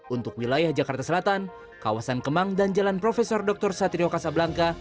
untuk wilayah jakarta selatan kawasan kemang dan jalan prof dr satrio kasablangka